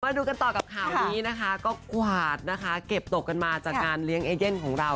ดูกันต่อกับข่าวนี้นะคะก็กวาดนะคะเก็บตกกันมาจากการเลี้ยงเอเย่นของเรา